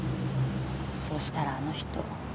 そしたらあの人。